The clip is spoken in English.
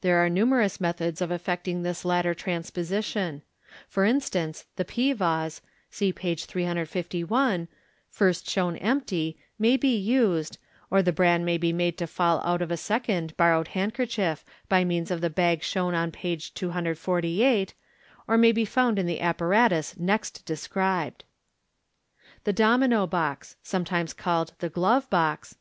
There are numerous methods of effecting this latter transposition For instance, the pea vase (see page 35 1 ), first shown empty, may be used, or the bran may be made to fall out of a second borrowed handkerchief, by means of the bag shown at page 248, or may be found in the apparatus next described. Thb "Domino Box" (sometimes called the "Glove Box